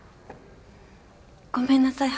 ごめんなさい